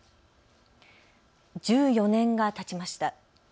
１４年がたちました。